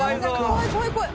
怖い怖い怖い。